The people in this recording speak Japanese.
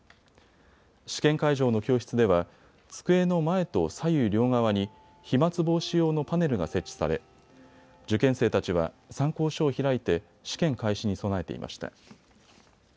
試験会場の教室では机の前と左右両側に飛まつ防止用のパネルが設置され受験生たちは参考書を開いて試験開始に備えていました。